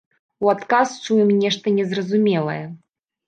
У адказ чуем нешта незразумелае.